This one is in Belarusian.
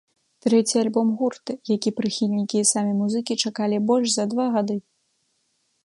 Трэці альбом гурта, які прыхільнікі і самі музыкі чакалі больш за два гады.